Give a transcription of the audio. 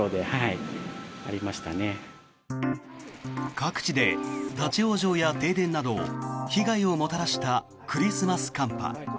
各地で立ち往生や停電など被害をもたらしたクリスマス寒波。